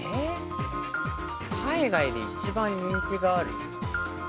海外で一番人気がある？